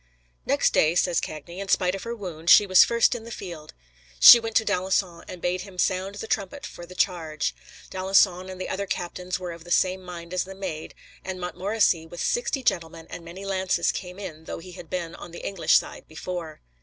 "Next day," says Cagny, "in spite of her wound, she was first in the field. She went to d'Alençon and bade him sound the trumpet for the charge. D'Alençon and the other captains were of the same mind as the Maid, and Montmorency with sixty gentlemen and many lances came in, though he had been on the English side before.